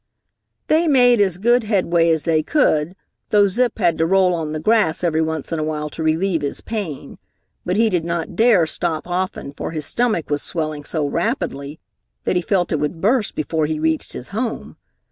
They made as good headway as they could, though Zip had to roll on the grass every once in a while to relieve his pain, but he did not dare stop often for his stomach was swelling so rapidly that he felt it would burst before he reached his home.